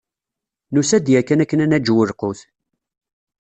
Nusa-d yakan akken ad naǧew lqut.